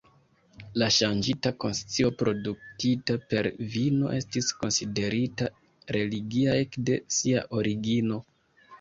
La ŝanĝita konscio produktita per vino estis konsiderita religia ekde sia origino.